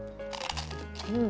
うん。